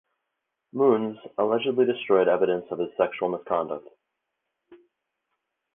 Moonves allegedly destroyed evidence of his sexual misconduct.